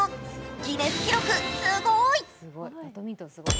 ギネス記録、すごーい。